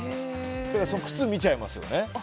靴を見ちゃいますね。